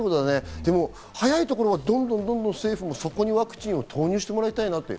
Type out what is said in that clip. でも早いところはどんどん政府もそこにワクチンを投入してもらいたいなと。